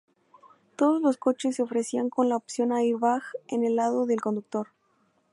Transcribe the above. Todos los coches se ofrecían con la opción airbag en el lado del conductor.